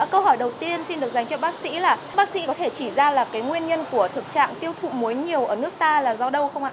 câu hỏi đầu tiên xin được dành cho bác sĩ là bác sĩ có thể chỉ ra là cái nguyên nhân của thực trạng tiêu thụ muối nhiều ở nước ta là do đâu không ạ